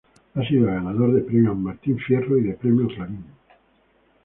Ha sido ganador de Premios Martin Fierro, y Premios Clarín.